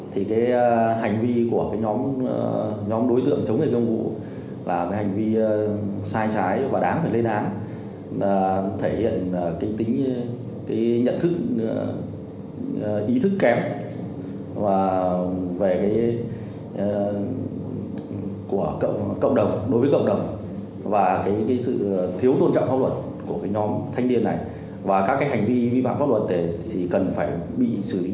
thì hành vi của nhóm đối tượng chống dịch bệnh covid là hành vi sai trái